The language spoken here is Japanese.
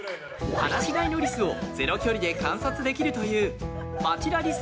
放し飼いのリスをゼロ距離で観察できるという町田リス